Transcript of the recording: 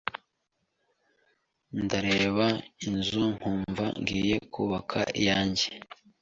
Ndareba inzu nkumva ngiye kubaka iyange.